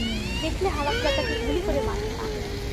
দেখলে হারামজাদাকে গুলি করে মারতাম।